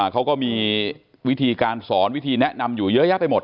เขาก็มีวิธีการสอนวิธีแนะนำอยู่เยอะแยะไปหมด